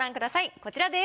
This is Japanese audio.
こちらです。